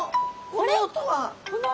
この音は。